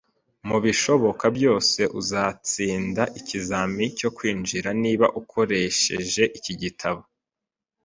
Mubishoboka byose, uzatsinda ikizamini cyo kwinjira niba ukoresheje iki gitabo.